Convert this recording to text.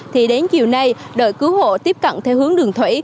thì đến chiều nay đội cứu hộ tiếp cận theo hướng đường thủy